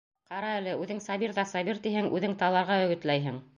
Ҡара әле, үҙең Сабир ҙа Сабир тиһең, үҙең таларға өгөтләйһең.